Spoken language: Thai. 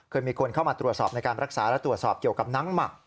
เคยมีคนเข้ามาตรวจสอบในการรักษาและตรวจสอบเกี่ยวกับน้ำหมัก